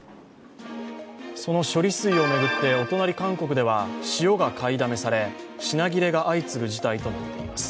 その処理水を巡ってお隣、韓国では塩が買いだめされ、品切れが相次ぐ事態となっています。